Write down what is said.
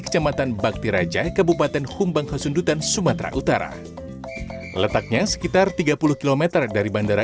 kecamatan bakti raja kabupaten humbang hasundutan sumatera utara letaknya sekitar tiga puluh km dari bandara